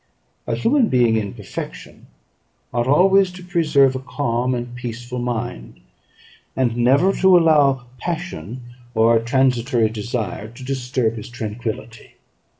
A human being in perfection ought always to preserve a calm and peaceful mind, and never to allow passion or a transitory desire to disturb his tranquillity.